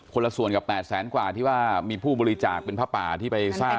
ละส่วนกับ๘แสนกว่าที่ว่ามีผู้บริจาคเป็นผ้าป่าที่ไปสร้าง